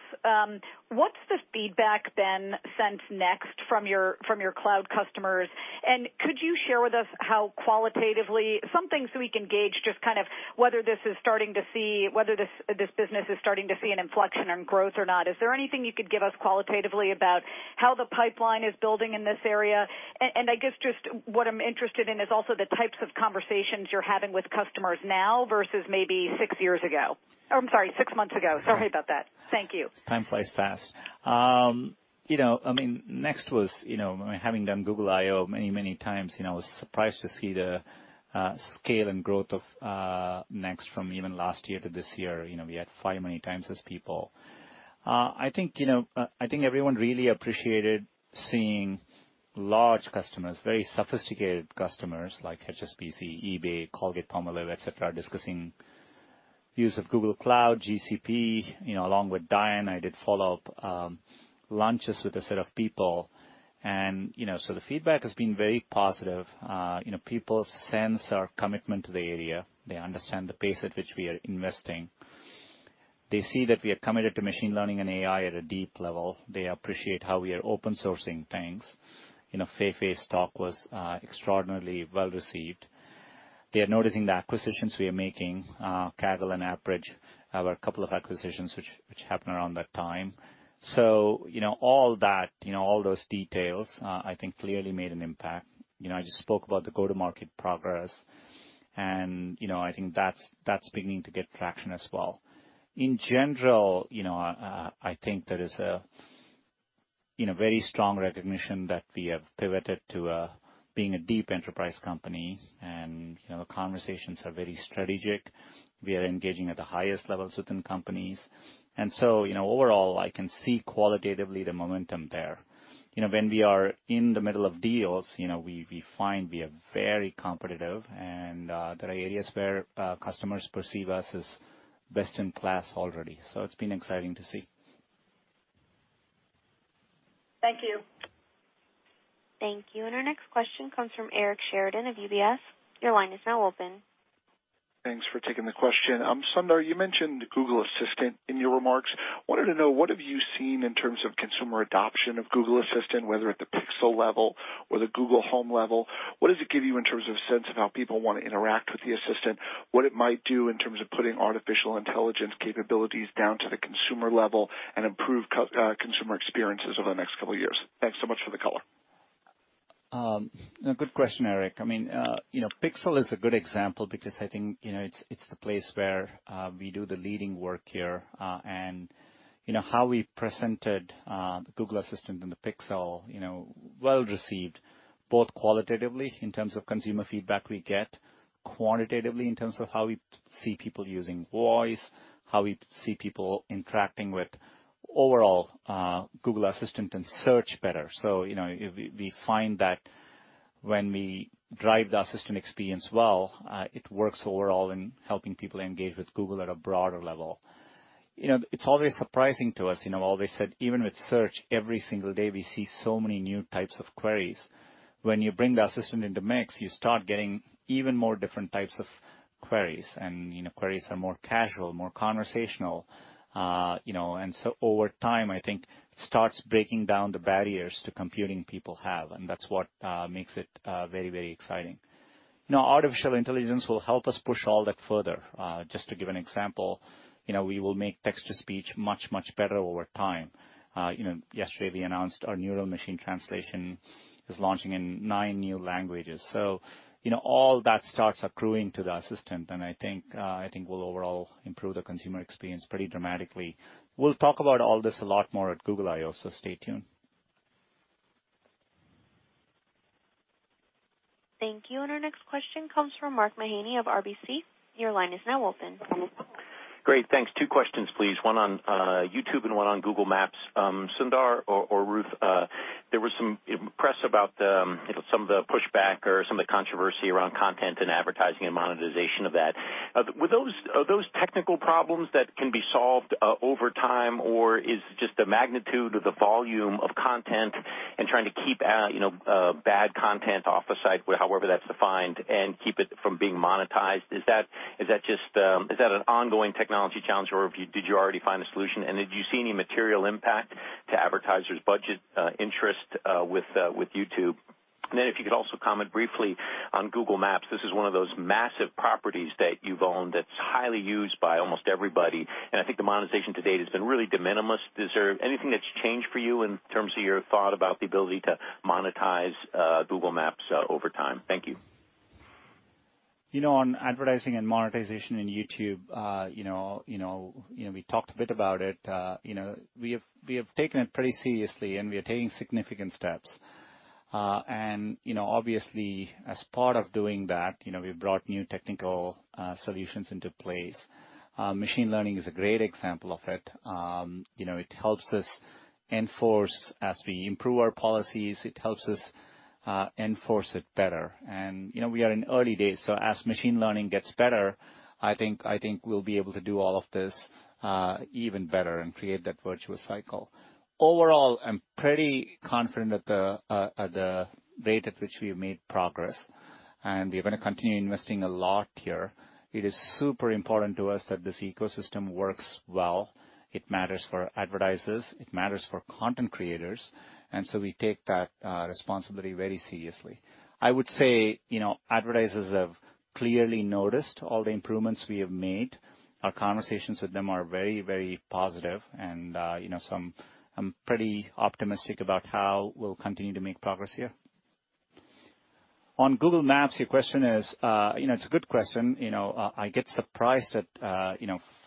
what's the feedback been sent next from your cloud customers? And could you share with us how qualitatively, something so we can gauge just kind of whether this is starting to see whether this business is starting to see an inflection in growth or not? Is there anything you could give us qualitatively about how the pipeline is building in this area? And I guess just what I'm interested in is also the types of conversations you're having with customers now versus maybe six years ago. I'm sorry, six months ago. Sorry about that. Thank you.
Time flies fast. I mean, Next was, having done Google I/O many, many times, I was surprised to see the scale and growth of Next from even last year to this year. We had five times as many people. I think everyone really appreciated seeing large customers, very sophisticated customers like HSBC, eBay, Colgate-Palmolive, etc., discussing the use of Google Cloud, GCP, along with Diane. I did follow-up lunches with a set of people, and so the feedback has been very positive. People sense our commitment to the area. They understand the pace at which we are investing. They see that we are committed to machine learning and AI at a deep level. They appreciate how we are open-sourcing things. Fei-Fei's talk was extraordinarily well received. They are noticing the acquisitions we are making. Kaggle and AppBridge have a couple of acquisitions which happened around that time. So all that, all those details, I think clearly made an impact. I just spoke about the go-to-market progress, and I think that's beginning to get traction as well. In general, I think there is a very strong recognition that we have pivoted to being a deep enterprise company, and the conversations are very strategic. We are engaging at the highest levels within companies. And so overall, I can see qualitatively the momentum there. When we are in the middle of deals, we find we are very competitive, and there are areas where customers perceive us as best in class already. So it's been exciting to see.
Thank you.
Thank you. And our next question comes from Eric Sheridan of UBS. Your line is now open.
Thanks for taking the question. Sundar, you mentioned Google Assistant in your remarks. I wanted to know, what have you seen in terms of consumer adoption of Google Assistant, whether at the Pixel level or the Google Home level? What does it give you in terms of a sense of how people want to interact with the Assistant, what it might do in terms of putting artificial intelligence capabilities down to the consumer level and improve consumer experiences over the next couple of years? Thanks so much for the call.
Good question, Eric. I mean, Pixel is a good example because I think it's the place where we do the leading work here. And how we presented Google Assistant and the Pixel well received, both qualitatively in terms of consumer feedback we get, quantitatively in terms of how we see people using voice, how we see people interacting with overall Google Assistant and search better. So we find that when we drive the Assistant experience well, it works overall in helping people engage with Google at a broader level. It's always surprising to us. I've always said, even with search, every single day we see so many new types of queries. When you bring the Assistant into mix, you start getting even more different types of queries, and queries are more casual, more conversational. And so over time, I think it starts breaking down the barriers to computing people have, and that's what makes it very, very exciting. Now, artificial intelligence will help us push all that further. Just to give an example, we will make text-to-speech much, much better over time. Yesterday, we announced our neural machine translation is launching in nine new languages. So all that starts accruing to the Assistant, and I think will overall improve the consumer experience pretty dramatically. We'll talk about all this a lot more at Google I/O, so stay tuned.
Thank you. And our next question comes from Mark Mahaney of RBC. Your line is now open.
Great. Thanks. Two questions, please. One on YouTube and one on Google Maps. Sundar or Ruth, there was some press about some of the pushback or some of the controversy around content and advertising and monetization of that. Are those technical problems that can be solved over time, or is it just the magnitude of the volume of content and trying to keep bad content off the site, however that's defined, and keep it from being monetized? Is that just an ongoing technology challenge, or did you already find a solution? And did you see any material impact to advertisers' budget interest with YouTube? And then if you could also comment briefly on Google Maps. This is one of those massive properties that you've owned that's highly used by almost everybody, and I think the monetization to date has been really de minimis. Is there anything that's changed for you in terms of your thought about the ability to monetize Google Maps over time? Thank you.
On advertising and monetization in YouTube, we talked a bit about it. We have taken it pretty seriously, and we are taking significant steps, and obviously, as part of doing that, we've brought new technical solutions into place. Machine learning is a great example of it. It helps us enforce as we improve our policies. It helps us enforce it better, and we are in early days, so as machine learning gets better, I think we'll be able to do all of this even better and create that virtuous cycle. Overall, I'm pretty confident at the rate at which we have made progress, and we are going to continue investing a lot here. It is super important to us that this ecosystem works well. It matters for advertisers. It matters for content creators. And so we take that responsibility very seriously. I would say advertisers have clearly noticed all the improvements we have made. Our conversations with them are very, very positive, and I'm pretty optimistic about how we'll continue to make progress here. On Google Maps, your question is, it's a good question. I get surprised at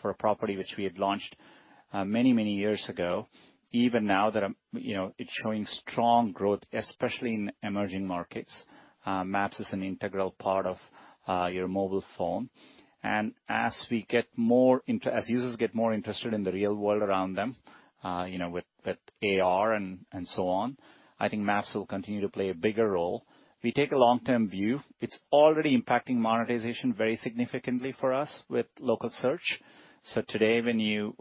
for a property which we had launched many, many years ago, even now that it's showing strong growth, especially in emerging markets. Maps is an integral part of your mobile phone. As users get more interested in the real world around them with AR and so on, I think Maps will continue to play a bigger role. We take a long-term view. It's already impacting monetization very significantly for us with local search. Today, when you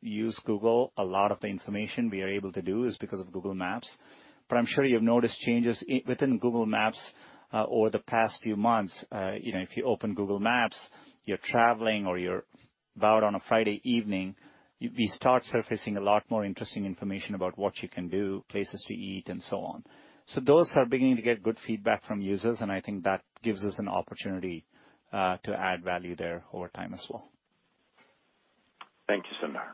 use Google, a lot of the information we are able to do is because of Google Maps. But I'm sure you've noticed changes within Google Maps over the past few months. If you open Google Maps, you're traveling, or you're out on a Friday evening, we start surfacing a lot more interesting information about what you can do, places to eat, and so on. Those are beginning to get good feedback from users, and I think that gives us an opportunity to add value there over time as well.
Thank you, Sundar.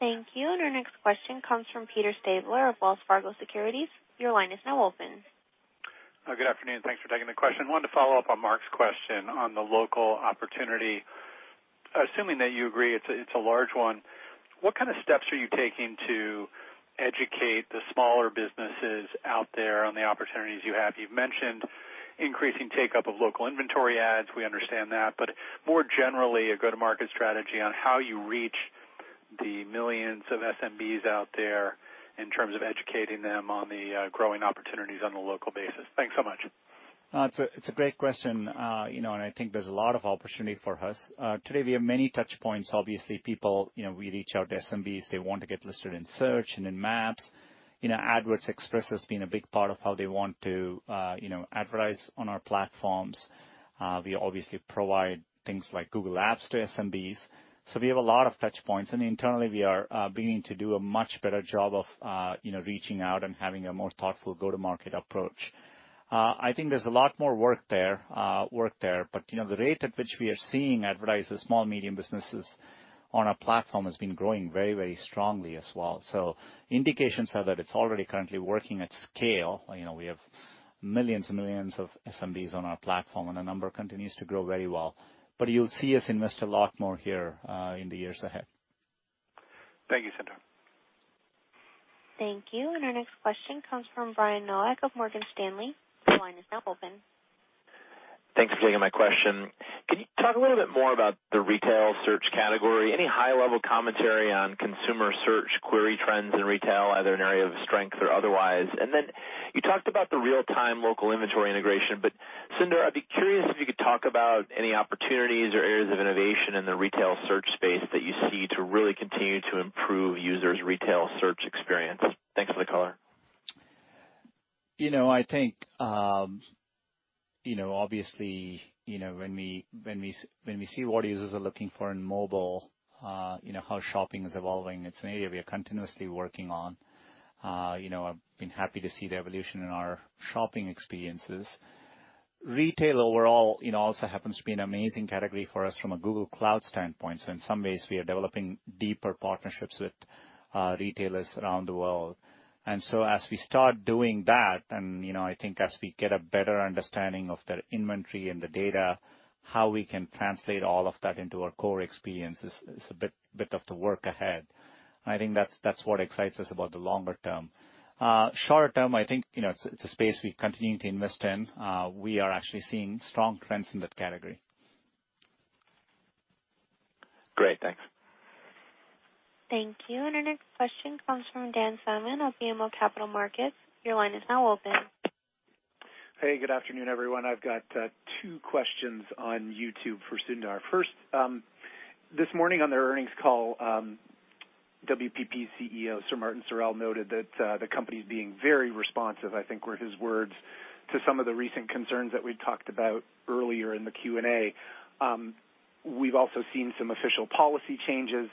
Thank you. And our next question comes from Peter Stabler of Wells Fargo Securities. Your line is now open.
Good afternoon. Thanks for taking the question. I wanted to follow up on Mark's question on the local opportunity. Assuming that you agree, it's a large one. What kind of steps are you taking to educate the smaller businesses out there on the opportunities you have? You've mentioned increasing take-up of local inventory ads. We understand that. But more generally, a go-to-market strategy on how you reach the millions of SMBs out there in terms of educating them on the growing opportunities on a local basis. Thanks so much.
It's a great question, and I think there's a lot of opportunity for us. Today, we have many touchpoints. Obviously, people, we reach out to SMBs. They want to get listed in search and in Maps. AdWords Express has been a big part of how they want to advertise on our platforms. We obviously provide things like Google Apps to SMBs. So we have a lot of touchpoints. And internally, we are beginning to do a much better job of reaching out and having a more thoughtful go-to-market approach. I think there's a lot more work there. But the rate at which we are seeing advertisers, small, medium businesses on our platform has been growing very, very strongly as well. So indications are that it's already currently working at scale. We have millions and millions of SMBs on our platform, and the number continues to grow very well. But you'll see us invest a lot more here in the years ahead.
Thank you, Sundar.
Thank you. And our next question comes from Brian Nowak of Morgan Stanley. Your line is now open.
Thanks for taking my question. Can you talk a little bit more about the retail search category? Any high-level commentary on consumer search query trends in retail, either an area of strength or otherwise? And then you talked about the real-time local inventory integration. But Sundar, I'd be curious if you could talk about any opportunities or areas of innovation in the retail search space that you see to really continue to improve users' retail search experience. Thanks for the caller.
I think, obviously, when we see what users are looking for in mobile, how shopping is evolving, it's an area we are continuously working on. I've been happy to see the evolution in our shopping experiences. Retail overall also happens to be an amazing category for us from a Google Cloud standpoint. So in some ways, we are developing deeper partnerships with retailers around the world. And so as we start doing that, and I think as we get a better understanding of their inventory and the data, how we can translate all of that into our core experience is a bit of the work ahead. And I think that's what excites us about the longer term. Short term, I think it's a space we continue to invest in. We are actually seeing strong trends in that category.
Great. Thanks.
Thank you. And our next question comes from Dan Salmon of BMO Capital Markets. Your line is now open.
Hey, good afternoon, everyone. I've got two questions on YouTube for Sundar. First, this morning on their earnings call, WPP CEO Sir Martin Sorrell noted that the company's being very responsive, I think were his words, to some of the recent concerns that we talked about earlier in the Q&A. We've also seen some official policy changes,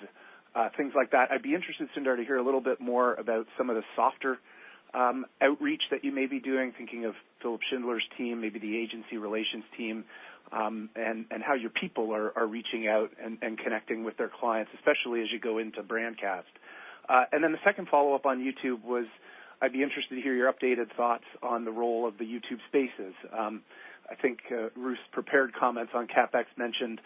things like that. I'd be interested, Sundar, to hear a little bit more about some of the softer outreach that you may be doing, thinking of Philipp Schindler's team, maybe the agency relations team, and how your people are reaching out and connecting with their clients, especially as you go into Brandcast. And then the second follow-up on YouTube was, I'd be interested to hear your updated thoughts on the role of the YouTube Spaces. I think Ruth's prepared comments on CapEx mentioned some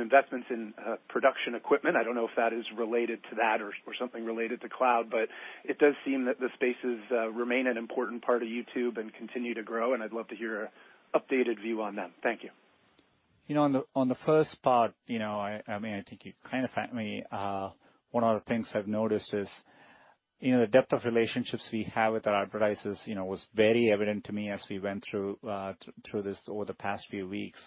investments in production equipment. I don't know if that is related to that or something related to cloud, but it does seem that the Spaces remain an important part of YouTube and continue to grow. And I'd love to hear an updated view on them. Thank you.
On the first part, I mean, I think you kind of hit me. One of the things I've noticed is the depth of relationships we have with our advertisers was very evident to me as we went through this over the past few weeks.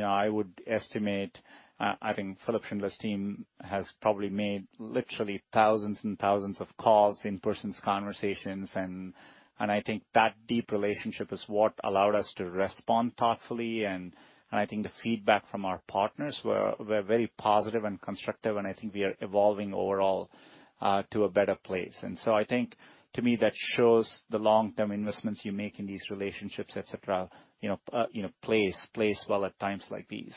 I would estimate, I think Philipp Schindler's team has probably made literally thousands and thousands of calls, in-person conversations. And I think that deep relationship is what allowed us to respond thoughtfully. And I think the feedback from our partners were very positive and constructive. And I think we are evolving overall to a better place. And so I think, to me, that shows the long-term investments you make in these relationships, etc., place well at times like these.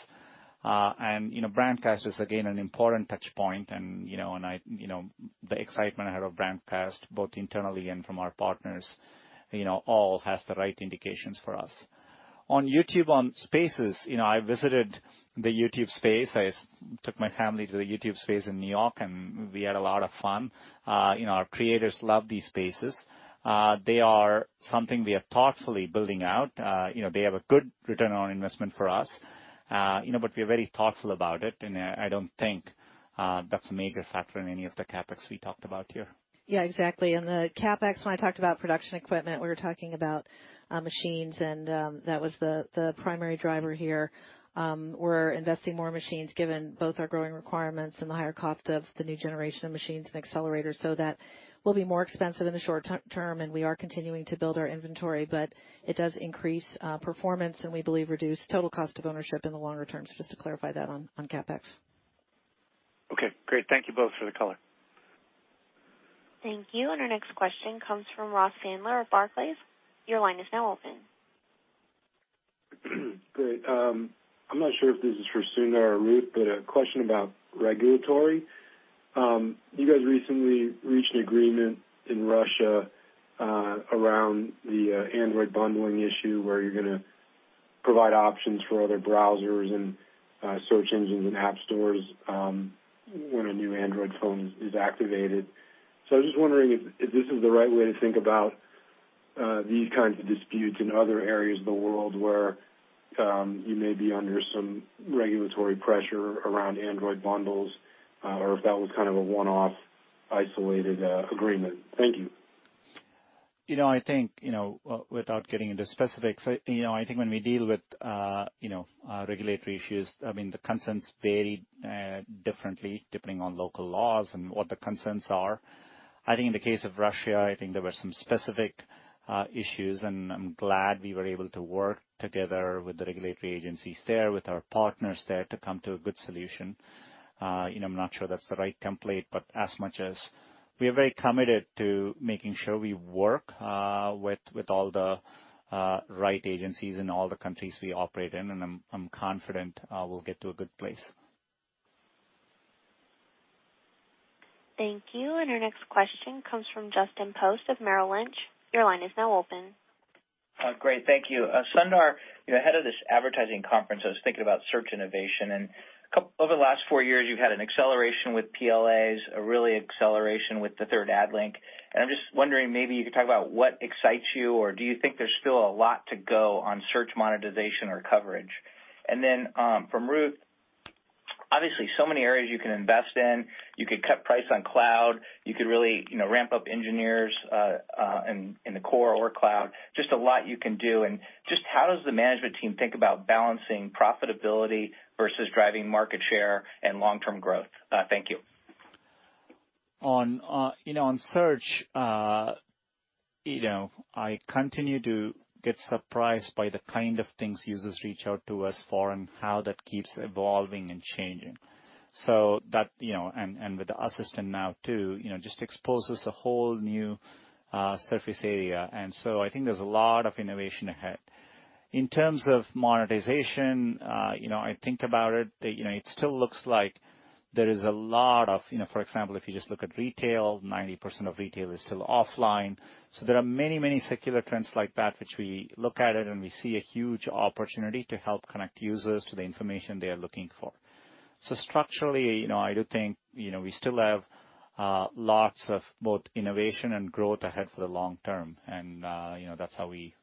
And Brandcast is, again, an important touchpoint. And the excitement ahead of Brandcast, both internally and from our partners, all has the right indications for us. On YouTube, on Spaces, I visited the YouTube Space. I took my family to the YouTube Space in New York, and we had a lot of fun. Our creators love these Spaces. They are something we are thoughtfully building out. They have a good return on investment for us, but we are very thoughtful about it, and I don't think that's a major factor in any of the CapEx we talked about here.
Yeah, exactly, and the CapEx, when I talked about production equipment, we were talking about machines, and that was the primary driver here. We're investing more machines given both our growing requirements and the higher cost of the new generation of machines and accelerators. So that will be more expensive in the short term, and we are continuing to build our inventory. But it does increase performance and, we believe, reduce total cost of ownership in the longer term. So just to clarify that on CapEx.
Okay. Great. Thank you both for the call.
Thank you. And our next question comes from Ross Sandler of Barclays. Your line is now open.
Great. I'm not sure if this is for Sundar or Ruth, but a question about regulatory. You guys recently reached an agreement in Russia around the Android bundling issue where you're going to provide options for other browsers and search engines and app stores when a new Android phone is activated. So I was just wondering if this is the right way to think about these kinds of disputes in other areas of the world where you may be under some regulatory pressure around Android bundles or if that was kind of a one-off isolated agreement. Thank you.
I think, without getting into specifics, I think when we deal with regulatory issues, I mean, the concerns vary differently depending on local laws and what the concerns are. I think in the case of Russia, I think there were some specific issues, and I'm glad we were able to work together with the regulatory agencies there, with our partners there to come to a good solution. I'm not sure that's the right template, but as much as we are very committed to making sure we work with all the right agencies in all the countries we operate in, and I'm confident we'll get to a good place.
Thank you. And our next question comes from Justin Post of Merrill Lynch. Your line is now open. Great.
Thank you. Sundar, you're head of this advertising conference. I was thinking about search innovation.
And over the last four years, you've had an acceleration with PLAs, a real acceleration with the third-party ad links. And I'm just wondering, maybe you could talk about what excites you, or do you think there's still a lot to go on search monetization or coverage? And then from Ruth, obviously, so many areas you can invest in. You could cut price on cloud. You could really ramp up engineers in the core or cloud. Just a lot you can do. And just how does the management team think about balancing profitability versus driving market share and long-term growth? Thank you.
On search, I continue to get surprised by the kind of things users reach out to us for and how that keeps evolving and changing. So that, and with the Assistant now too, just exposes a whole new surface area. And so I think there's a lot of innovation ahead. In terms of monetization, I think about it, it still looks like there is a lot of, for example, if you just look at retail, 90% of retail is still offline. So there are many, many secular trends like that, which we look at it, and we see a huge opportunity to help connect users to the information they are looking for. So structurally, I do think we still have lots of both innovation and growth ahead for the long term. And that's how we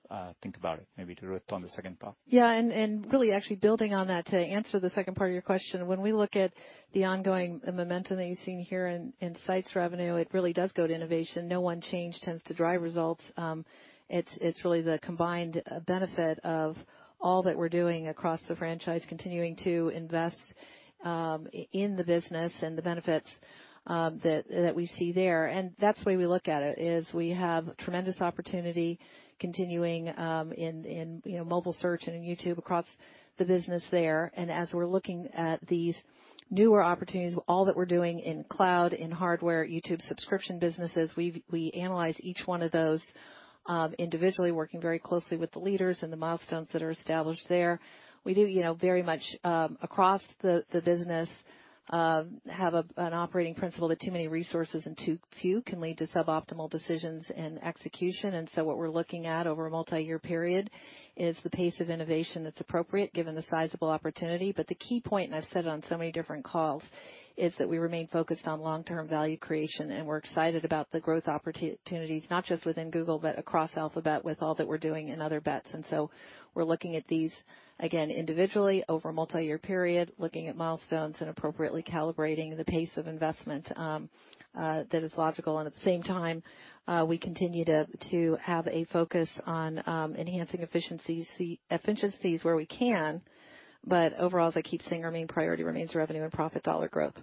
think about it. Maybe to Ruth on the second part.
Yeah. And really actually building on that to answer the second part of your question, when we look at the ongoing momentum that you've seen here in Sites revenue, it really does go to innovation. No one change tends to drive results. It's really the combined benefit of all that we're doing across the franchise, continuing to invest in the business and the benefits that we see there. And that's the way we look at it, is we have tremendous opportunity continuing in mobile search and in YouTube across the business there. And as we're looking at these newer opportunities, all that we're doing in cloud, in hardware, YouTube subscription businesses, we analyze each one of those individually, working very closely with the leaders and the milestones that are established there. We do very much across the business have an operating principle that too many resources and too few can lead to suboptimal decisions and execution. And so what we're looking at over a multi-year period is the pace of innovation that's appropriate given the sizable opportunity. But the key point, and I've said it on so many different calls, is that we remain focused on long-term value creation. And we're excited about the growth opportunities, not just within Google, but across Alphabet with all that we're doing in other bets. And so we're looking at these, again, individually over a multi-year period, looking at milestones and appropriately calibrating the pace of investment that is logical. And at the same time, we continue to have a focus on enhancing efficiencies where we can. But overall, as I keep saying, our main priority remains revenue and profit dollar growth.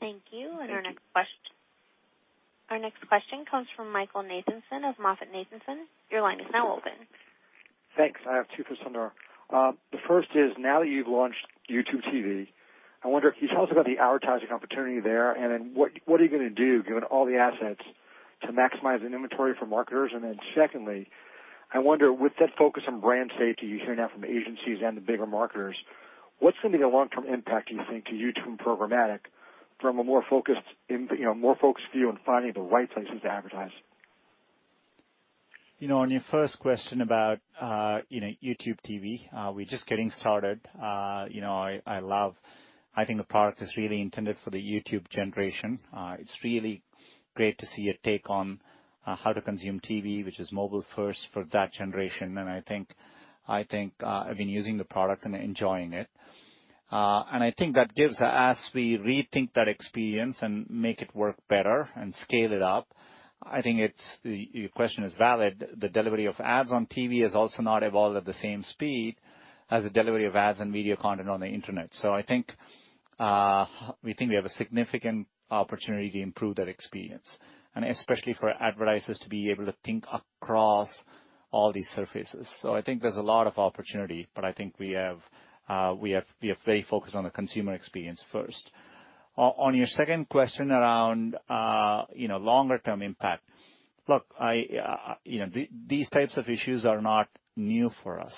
Thank you. And our next question comes from Michael Nathanson of MoffettNathanson. Your line is now open.
Thanks. I have two for Sundar. The first is, now that you've launched YouTube TV, I wonder, can you tell us about the advertising opportunity there? And then what are you going to do, given all the assets, to maximize the inventory for marketers? And then secondly, I wonder, with that focus on brand safety, you're hearing that from agencies and the bigger marketers, what's going to be the long-term impact, do you think, to YouTube programmatic from a more focused view and finding the right places to advertise?
On your first question about YouTube TV, we're just getting started. I love. I think the product is really intended for the YouTube generation. It's really great to see a take on how to consume TV, which is mobile-first for that generation. And I think I've been using the product and enjoying it. And I think that gives us, as we rethink that experience and make it work better and scale it up, I think your question is valid. The delivery of ads on TV has also not evolved at the same speed as the delivery of ads and video content on the internet. So I think we have a significant opportunity to improve that experience, and especially for advertisers to be able to think across all these surfaces. So I think there's a lot of opportunity, but I think we have very focused on the consumer experience first. On your second question around longer-term impact, look, these types of issues are not new for us.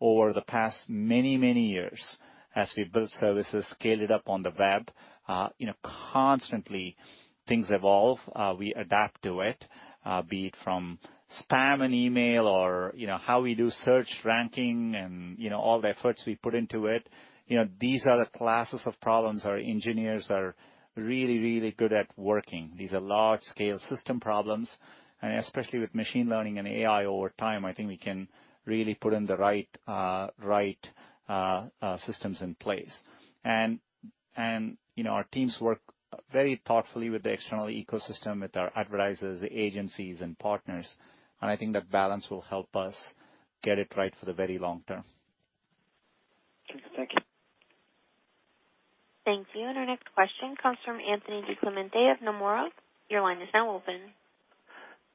Over the past many, many years, as we've built services, scaled it up on the web, constantly things evolve. We adapt to it, be it from spam and email or how we do search ranking and all the efforts we put into it. These are the classes of problems our engineers are really, really good at working. These are large-scale system problems. And especially with machine learning and AI over time, I think we can really put in the right systems in place. And our teams work very thoughtfully with the external ecosystem, with our advertisers, agencies, and partners. And I think that balance will help us get it right for the very long term.
Thank you.
Thank you. And our next question comes from Anthony DiClemente of Nomura. Your line is now open.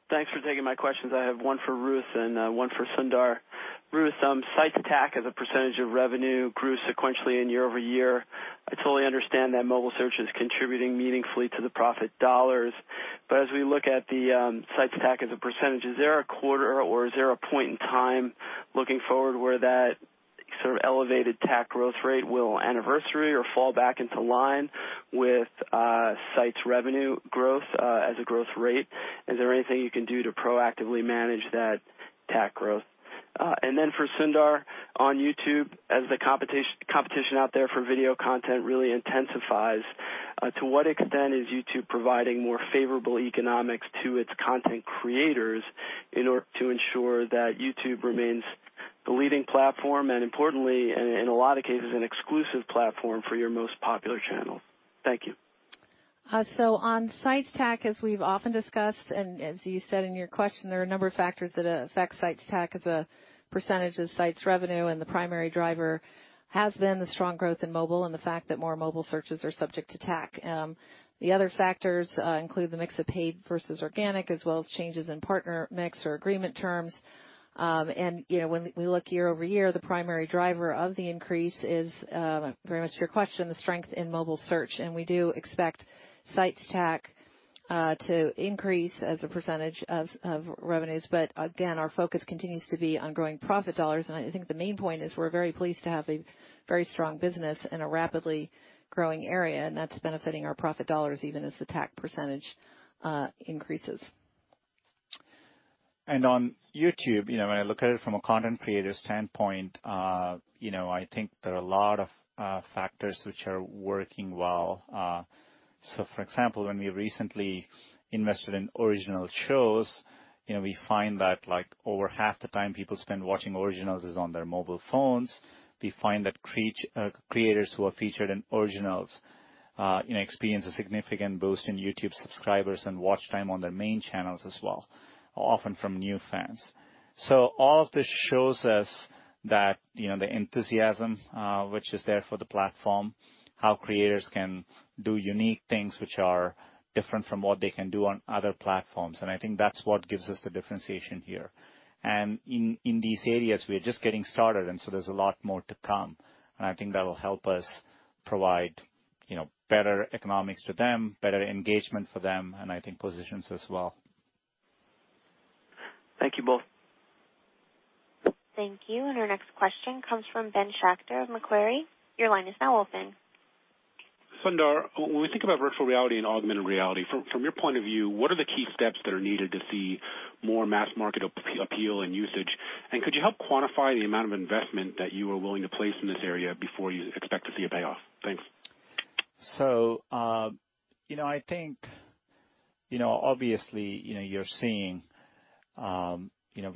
Thanks for taking my questions. I have one for Ruth and one for Sundar. Ruth, Sites TAC as a percentage of revenue grew sequentially in year over year. I totally understand that mobile search is contributing meaningfully to the profit dollars. But as we look at the Sites TAC as a percentage, is there a quarter or is there a point in time looking forward where that sort of elevated TAC growth rate will anniversary or fall back into line with Sites revenue growth as a growth rate? Is there anything you can do to proactively manage that TAC growth? And then for Sundar, on YouTube, as the competition out there for video content really intensifies, to what extent is YouTube providing more favorable economics to its content creators in order to ensure that YouTube remains the leading platform and, importantly, in a lot of cases, an exclusive platform for your most popular channels? Thank you.
So on Sites TAC, as we've often discussed, and as you said in your question, there are a number of factors that affect Sites TAC as a percentage of Sites revenue. The primary driver has been the strong growth in mobile and the fact that more mobile searches are subject to TAC. The other factors include the mix of paid versus organic, as well as changes in partner mix or agreement terms. When we look year over year, the primary driver of the increase is, very much to your question, the strength in mobile search. We do expect Sites TAC to increase as a percentage of revenues. But again, our focus continues to be on growing profit dollars. I think the main point is we're very pleased to have a very strong business in a rapidly growing area. That's benefiting our profit dollars even as the TAC percentage increases.
On YouTube, when I look at it from a content creator standpoint, I think there are a lot of factors which are working well. So for example, when we recently invested in original shows, we find that over half the time people spend watching originals is on their mobile phones. We find that creators who are featured in originals experience a significant boost in YouTube subscribers and watch time on their main channels as well, often from new fans. So all of this shows us that the enthusiasm which is there for the platform, how creators can do unique things which are different from what they can do on other platforms. And I think that's what gives us the differentiation here. And in these areas, we are just getting started. And so there's a lot more to come. And I think that will help us provide better economics to them, better engagement for them, and I think positions as well.
Thank you both. Thank you.
And our next question comes from Ben Schachter of Macquarie. Your line is now open.
Sundar, when we think about virtual reality and augmented reality, from your point of view, what are the key steps that are needed to see more mass market appeal and usage? And could you help quantify the amount of investment that you are willing to place in this area before you expect to see a payoff? Thanks.
So I think, obviously, you're seeing we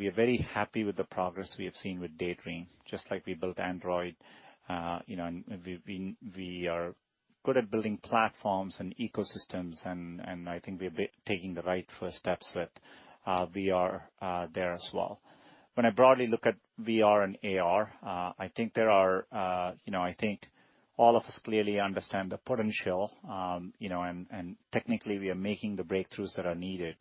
are very happy with the progress we have seen with Daydream, just like we built Android. And we are good at building platforms and ecosystems. And I think we are taking the right first steps with VR there as well. When I broadly look at VR and AR, I think there are. I think all of us clearly understand the potential. And technically, we are making the breakthroughs that are needed.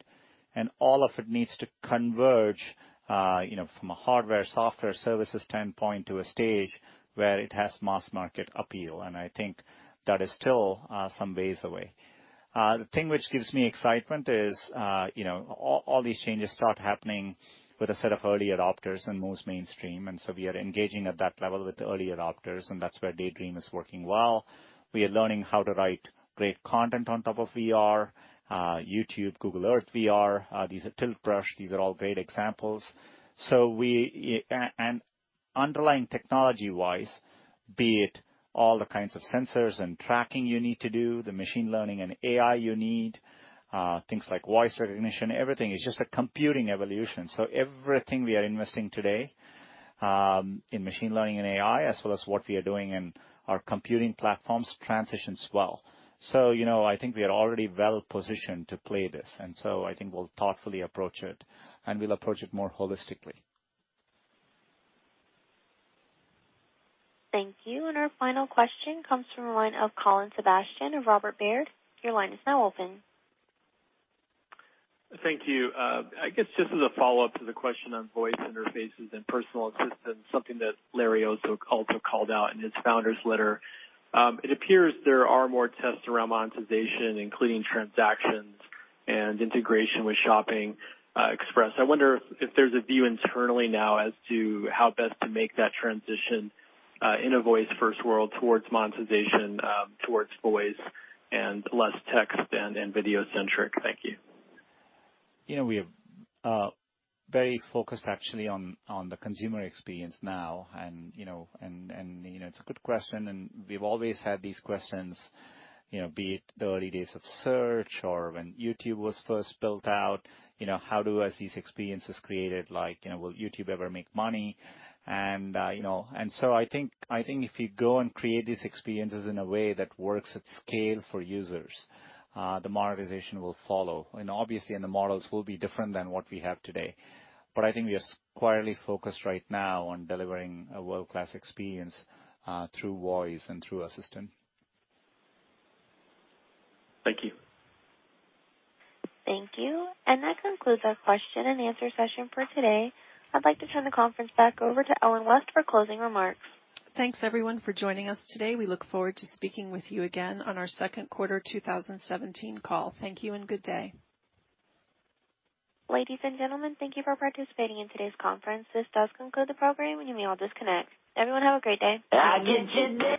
All of it needs to converge from a hardware, software, services standpoint to a stage where it has mass market appeal. I think that is still some ways away. The thing which gives me excitement is all these changes start happening with a set of early adopters and most mainstream. So we are engaging at that level with early adopters. That's where Daydream is working well. We are learning how to write great content on top of VR, YouTube, Google Earth VR. These are Tilt Brush. These are all great examples. Underlying technology-wise, be it all the kinds of sensors and tracking you need to do, the machine learning and AI you need, things like voice recognition, everything is just a computing evolution. So everything we are investing today in machine learning and AI, as well as what we are doing in our computing platforms, transitions well. So I think we are already well positioned to play this. And so I think we'll thoughtfully approach it. And we'll approach it more holistically. Thank you. And our final question comes from a line of Colin Sebastian of Robert W. Baird. Your line is now open.
Thank you. I guess just as a follow-up to the question on voice interfaces and personal assistance, something that Larry also called out in his founder's letter, it appears there are more tests around monetization, including transactions and integration with Shopping Express. I wonder if there's a view internally now as to how best to make that transition in a voice-first world towards monetization, towards voice and less text and video centric. Thank you.
We are very focused, actually, on the consumer experience now. And it's a good question. And we've always had these questions, be it the early days of search or when YouTube was first built out, how do we create these experiences? Will YouTube ever make money? And so I think if you go and create these experiences in a way that works at scale for users, the monetization will follow. And obviously, the models will be different than what we have today. But I think we are squarely focused right now on delivering a world-class experience through voice and through Assistant.
Thank you.
Thank you. And that concludes our question and answer session for today. I'd like to turn the conference back over to Ellen West for closing remarks.
Thanks, everyone, for joining us today. We look forward to speaking with you again on our second quarter 2017 call. Thank you and good day.
Ladies and gentlemen, thank you for participating in today's conference. This does conclude the program, and you may all disconnect. Everyone, have a great day.